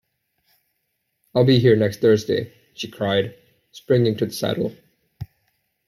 ‘I’ll be here next Thursday,’ she cried, springing to the saddle.